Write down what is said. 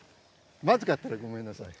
まずかったらごめんなさい。